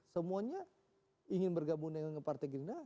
semuanya ingin bergabung dengan partai gerindra